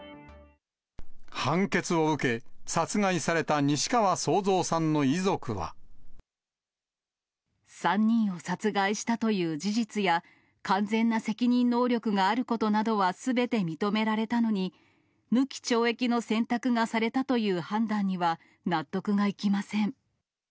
判決を受け、３人を殺害したという事実や、完全な責任能力があることなどはすべて認められたのに、無期懲役の選択がされたという判断には納得がいきません。